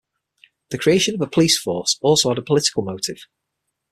The creation of the police force also had a political motive.